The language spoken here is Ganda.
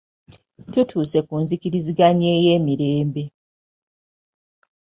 Tutuuse ku nzikiriziganya ey'emirembe